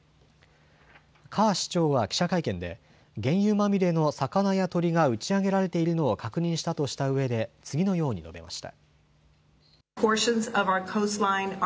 カー市長は記者会見で原油まみれの魚や鳥が打ち上げられているのを確認したとしたうえで次のように述べました。